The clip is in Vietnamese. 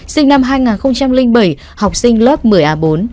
sinh năm hai nghìn bảy học sinh lớp một mươi a bốn